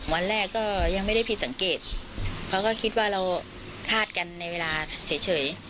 วันแรกก็ยังไม่ได้ผิดสังเกตเขาก็คิดว่าเราคาดกันในเวลาเฉย